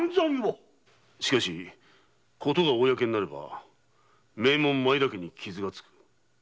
しかしことが公になれば名門・前田家に傷がつく。